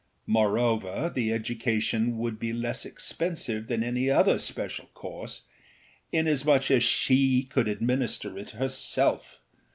Moreover the education would be less expensive than any other special course, inasmuch as she could administer it herself.